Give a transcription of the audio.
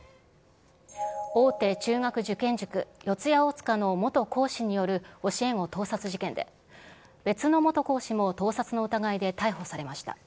大手中学受験塾、四谷大塚の元講師による教え子盗撮事件で、別の元講師も盗撮の疑いで逮捕されました。